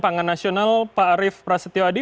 badan panganan nasional pak arief prasetyo adi